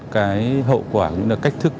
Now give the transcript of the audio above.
cái hậu quả những cách thức